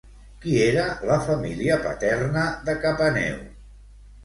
Qui era la família paterna de Capaneu?